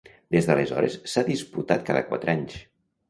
Des d'aleshores s'ha disputat cada quatre anys.